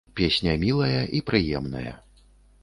Песня мілая і прыемная.